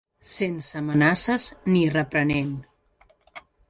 Sense amenaces, ni reprenent.